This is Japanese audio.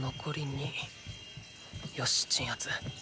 ２よし鎮圧。